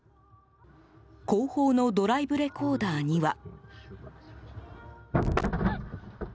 後方のドライブレコーダーには。